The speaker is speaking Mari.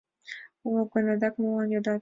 Уло гын, адак молан йодат?